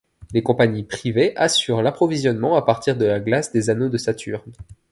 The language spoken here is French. Des compagnies privées assurent l'approvisionnement à partir de la glace des anneaux de Saturne.